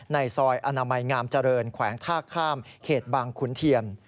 ในซอยอนามัยงามเจริญแขวงท่าข้ามเขตบางขุนเทียน